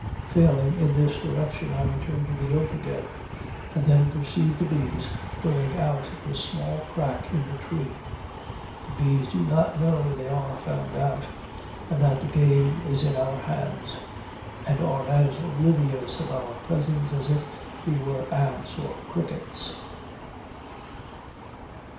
Failing in this direction I return to the oak again, and then perceive the bees going out in a small crack in the tree. The bees do not know they are found out and that the game is in our hands, and are as oblivious of our presence as if we were ants or crickets.